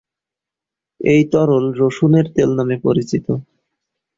এই তরল রসুনের তেল নামে পরিচিত।